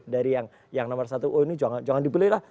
dari yang nomor satu oh ini jangan dibeli lah